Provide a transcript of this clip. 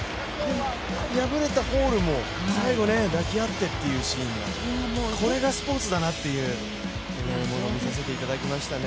敗れたホールも、最後抱き合ってというシーンが、これがスポーツだなというものを見させていただきましたね。